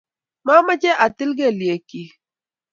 Mameche atil kelyek chich.